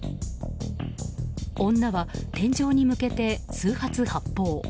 女は天井に向けて数発、発砲。